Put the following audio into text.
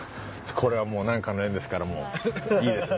これはもうなんかの縁ですからもういいですよ。